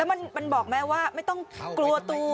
มันบอกไหมว่าไม่ต้องกลัวตู